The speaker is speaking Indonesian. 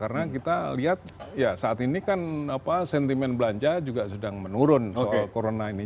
karena kita lihat saat ini kan sentimen belanja juga sedang menurun soal corona ini